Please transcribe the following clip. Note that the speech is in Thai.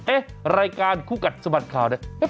เอ๊ะรายการคู่กัดสมัสข่าวเนี่ย